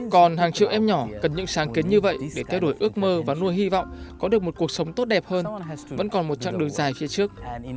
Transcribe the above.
còn hàng triệu em nhỏ cần những sáng kiến như vậy để thay đổi ước mơ và nuôi hy vọng có được một cuộc sống tốt đẹp hơn vẫn còn một chặng đường dài phía trước